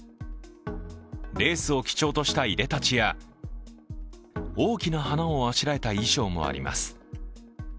レースを基調としたいでたちや、大きな花をあしらえた衣装もあります。